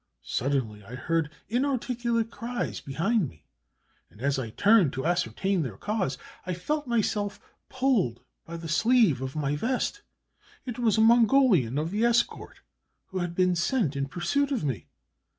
Suddenly I heard inarticulate cries behind me, and as I turned to ascertain their cause, I felt myself pulled by the sleeve of my vest; it was a Mongolian of the escort, who had been sent in pursuit of me.